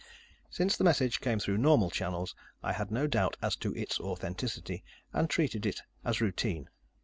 Since the message came through normal channels, I had no doubt as to its authenticity, and treated it as routine.